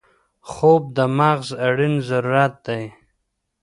خوب د مغز اړین ضرورت دی